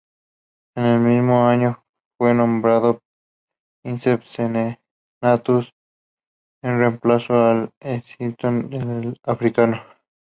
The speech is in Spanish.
En el mismo año fue nombrado "princeps senatus" en reemplazo de Escipión el Africano.